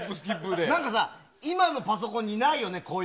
今のパソコンにないよね。